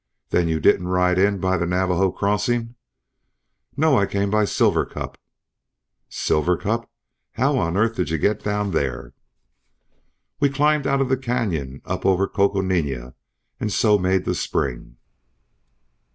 "Then you didn't ride in by the Navajo crossing?" "No. I came by Silver Cup." "Silver Cup? How on earth did you get down there?" "We climbed out of the canyon up over Coconina, and so made the spring."